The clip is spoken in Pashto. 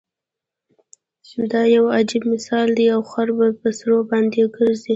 دا يو عجیب مثال دی او خر په سړیو باندې ګرځي.